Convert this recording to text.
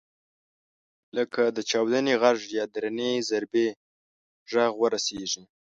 لکه د چاودنې غږ یا درنې ضربې غږ ورسېږي.